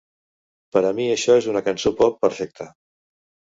Per a mi, això és una cançó pop perfecta.